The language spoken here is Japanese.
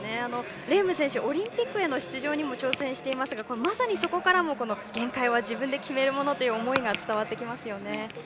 レーム選手オリンピックへの出場にも挑戦していますがまさにそこからも限界は自分で決めるものという思いが伝わってきますよね。